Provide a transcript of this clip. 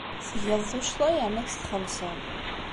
Tgiḍ tuccḍa yerna ad tt-txellṣeḍ.